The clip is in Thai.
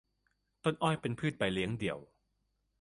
ต้นอ้อยเป็นพืชใบเลี้ยงเดี่ยว